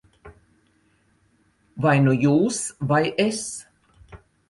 Vai nu jūs, vai es.